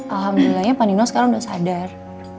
alhamdulillahnya pak nino sekarang sudah sadar